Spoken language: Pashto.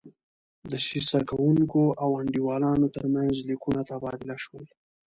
د دسیسه کوونکو او انډیوالانو ترمنځ لیکونه تبادله شول.